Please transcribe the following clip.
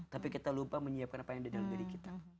tapi kita lupa menyiapkan apa yang di dalam diri kita